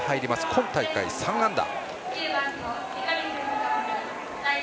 今大会３安打。